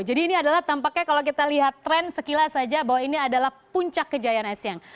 jadi ini adalah tampaknya kalau kita lihat tren sekilas saja bahwa ini adalah puncak kejayaan esiang